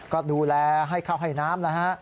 ก็ดูแลให้เข้าให้น้ำแล้วฮะ